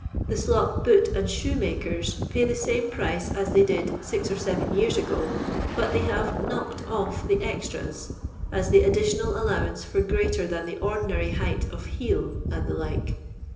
The slop boot and shoe m^ers pay the fame price as they did six or seven years ago, but they have " knocked off the extras," as the addi tional allowance for greater than the ordinary height of heel, and the like.